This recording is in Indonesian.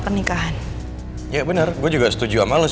ketika di rumah kalau ada edah krystalus